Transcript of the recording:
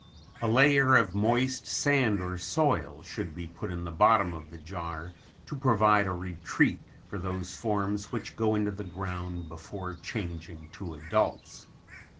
A layer of moist sand or soil should be put in the bottom of the jar to provide a retreat for those forms which go into the ground before changing to adults.